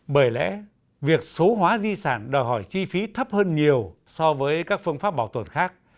bởi lẽ việc số hóa di sản đòi hỏi chi phí thấp hơn nhiều so với các phương pháp bảo tồn khác